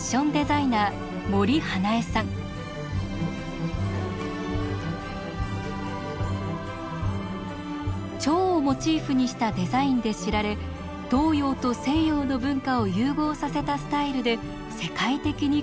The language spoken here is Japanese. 日本を代表する蝶をモチーフにしたデザインで知られ東洋と西洋の文化を融合させたスタイルで世界的に活躍しました。